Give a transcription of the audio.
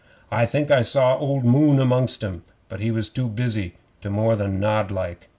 I think I saw old Moon amongst 'em, but he was too busy to more than nod like.